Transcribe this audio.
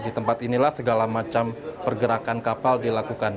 di tempat inilah segala macam pergerakan kapal dilakukan